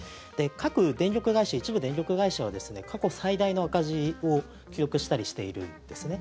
各電力会社、一部電力会社は過去最大の赤字を記録したりしているんですね。